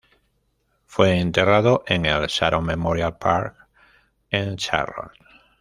Fue enterrado en el Sharon Memorial Park en Charlotte.